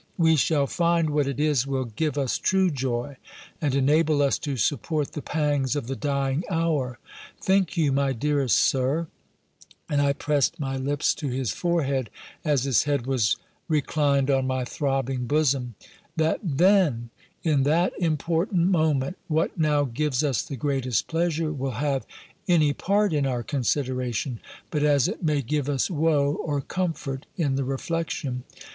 we shall find what it is will give us true joy, and enable us to support the pangs of the dying hour. Think you, my dearest Sir," (and I pressed my lips to his forehead, as his head was reclined on my throbbing bosom,) "that then, in that important moment, what now gives us the greatest pleasure, will have any part in our consideration, but as it may give us woe or comfort in the reflection?